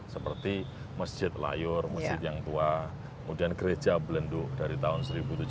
seperti masjid layur masjid yang tua kemudian gereja belenduk dari tahun seribu tujuh ratus